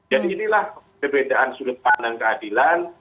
jadi inilah kebedaan sudut pandang